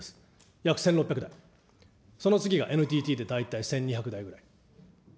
約１６００台、その次がＮＴＴで大体１２００台くらい。